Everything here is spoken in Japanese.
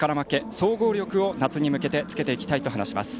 総合力を夏に向けてつけていきたいと話します。